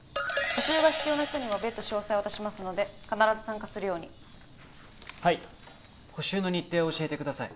補習が必要な人には別途詳細を渡しますので必ず参加するようにはい補習の日程を教えてください